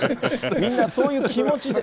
みんなそういう気持ちで。